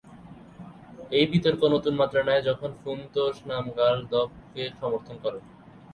এই বিতর্ক নতুন মাত্রা নেয় যখন ফুন-ত্শোগ্স-র্নাম-র্গ্যাল দ্পাগ-ব্সাম-দ্বাং-পোকে সমর্থন করেন।